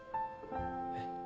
えっ？